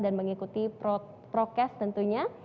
dan mengikuti prokes tentunya